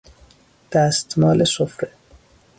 دستمال سفره